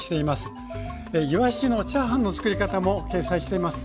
いわしのチャーハンのつくり方も掲載しています。